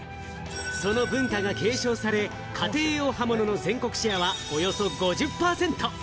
その文化が継承され、家庭用刃物の全国シェアはおよそ５０％。